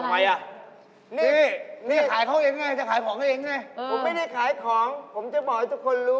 อ้าวนี่จะมาสายตากแอไม่ได้ไปเลยนะ